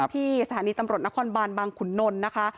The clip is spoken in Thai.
ที่สถานีตำรวจนครบานบางขุนนลนะคะ